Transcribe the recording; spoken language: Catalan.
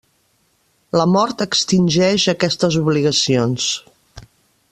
La mort extingeix aquestes obligacions.